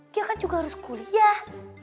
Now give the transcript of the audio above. dia kan juga harus kuliah